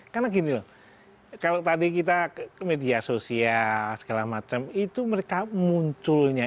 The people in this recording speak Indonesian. karena gini loh kalau tadi kita ke media sosial segala macam itu mereka munculnya